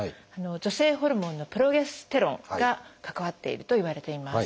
女性ホルモンのプロゲステロンが関わっているといわれています。